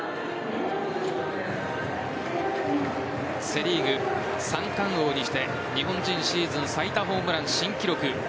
セ・リーグ三冠王にして日本人シーズン最多ホームラン新記録。